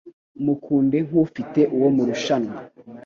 Mukunde nk'ufite uwo murushanwa